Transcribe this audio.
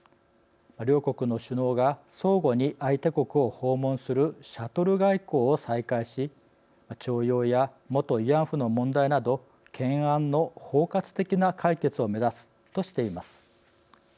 両国の首脳が相互に相手国を訪問するシャトル外交を再開し徴用や元慰安婦の問題など懸案の包括的な解決を目指すとしています。